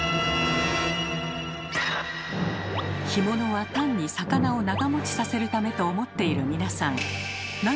干物は単に魚を長もちさせるためと思っている皆さん。